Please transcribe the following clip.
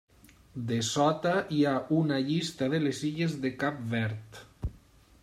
Dessota hi ha una llista de les illes de Cap Verd.